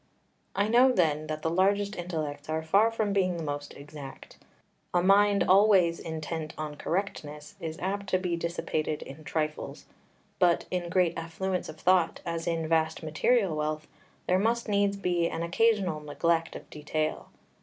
2 I know, then, that the largest intellects are far from being the most exact. A mind always intent on correctness is apt to be dissipated in trifles; but in great affluence of thought, as in vast material wealth, there must needs be an occasional neglect of detail.